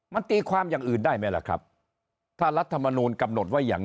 มันตีความอย่างอื่นได้ไหมล่ะครับถ้ารัฐมนูลกำหนดไว้อย่าง